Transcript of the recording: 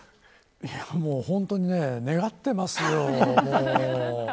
本当に願ってますよ、もう。